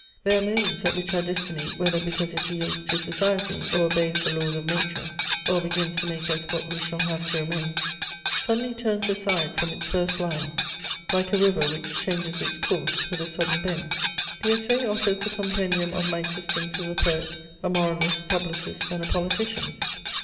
There are moments at which our destiny, whether because it yields to society, or obeys the laws of nature, or begins to make us what we shall have to remain, suddenly turns aside from its first line, like a river which changes its course with a sudden bend. The Essai offers the compendium of my existence as a poet, a moralist, a publicist, and a politician.